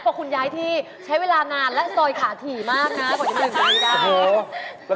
เพราะคุณย้ายที่ใช้เวลานานและสอยขาถี่มากนะ